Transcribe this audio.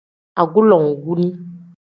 Agulonguni.